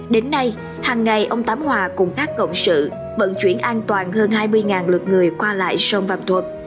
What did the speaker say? đến nay hằng ngày ông tám hòa cùng các cộng sự vận chuyển an toàn hơn hai mươi lượt người qua lại sông vàm thuật